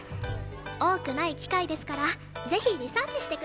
多くない機会ですからぜひリサーチしてください。